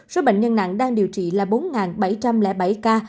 số bệnh nhân nặng đang điều trị là bốn bảy trăm linh bảy ca